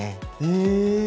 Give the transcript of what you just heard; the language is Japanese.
へえ。